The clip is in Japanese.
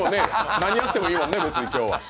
何やってもいいもんね、今日は。